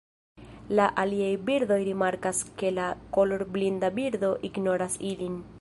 La aliaj birdoj rimarkas ke la kolorblinda birdo ignoras ilin.